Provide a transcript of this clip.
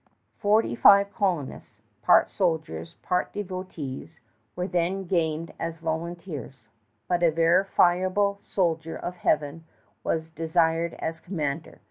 Forty five colonists, part soldiers, part devotees, were then gained as volunteers; but a veritable soldier of Heaven was desired as commander.